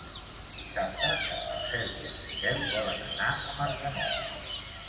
Dissabte en Marcel i en Miquel volen anar a Marganell.